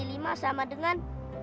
lima x lima sama dengan dua puluh lima